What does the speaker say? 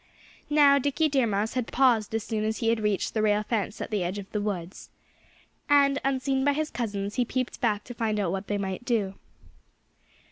Now, Dickie Deer Mouse had paused as soon as he had reached the rail fence at the edge of the woods. And unseen by his cousins he peeped back to find out what they might do.